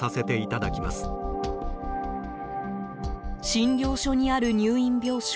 診療所にある入院病床